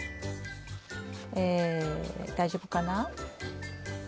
え大丈夫かな。